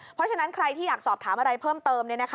เพราะฉะนั้นใครที่อยากสอบถามอะไรเพิ่มเติม